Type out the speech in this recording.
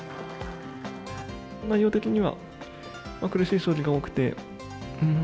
内容的には苦しい将棋が多くて、うーん。